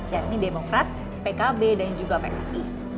yaitu demokrat pkb dan juga pks